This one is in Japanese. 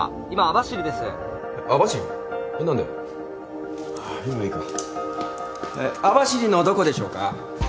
網走のどこでしょうか？